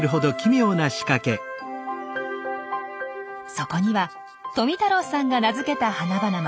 そこには富太郎さんが名付けた花々も。